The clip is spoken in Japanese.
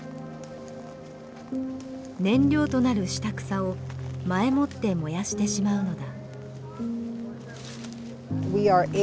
燃料となる下草を前もって燃やしてしまうのだ。